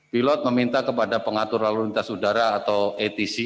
pilot meminta kepada pengatur lalu lintas udara atau atc